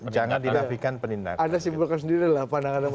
jangan didahwikan penindakan